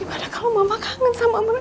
gimana kalau mama kangen sama mereka